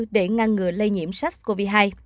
để ngăn ngừa lây nhiễm sars cov hai